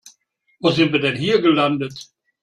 Wo sind wir denn hier gelandet?